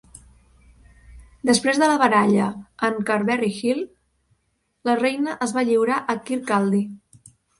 Després de la baralla en Carberry Hill, la reina es va lliurar a Kirkcaldy.